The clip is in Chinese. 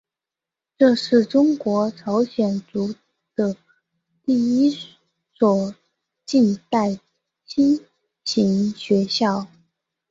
这是中国朝鲜族的第一所近代新型学校。